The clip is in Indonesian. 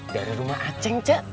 dari rumah aceh